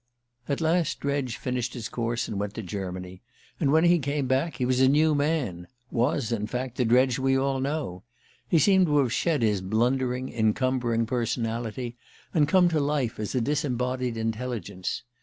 At last Dredge finished his course and went to Germany; and when he came back he was a new man was, in fact, the Dredge we all know. He seemed to have shed his blundering, encumbering personality, and come to life as a disembodied intelligence.